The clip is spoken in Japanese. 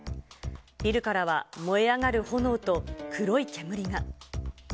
ビルからは燃え上がる炎と黒い煙が。